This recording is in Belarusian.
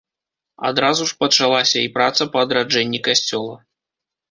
Адразу ж пачалася і праца па адраджэнні касцёла.